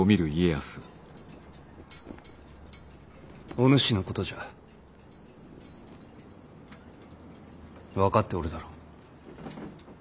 お主のことじゃ分かっておるだろう。